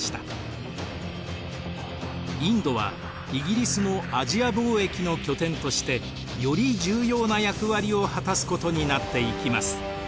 インドはイギリスのアジア貿易の拠点としてより重要な役割を果たすことになっていきます。